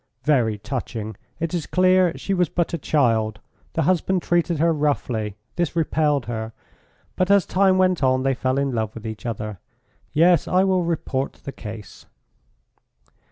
"Very touching! It is clear she was but a child; the husband treated her roughly, this repelled her, but as time went on they fell in love with each other. Yes I will report the case."